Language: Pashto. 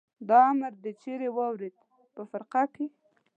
دا امر دې چېرې واورېد؟ په فرقه کې.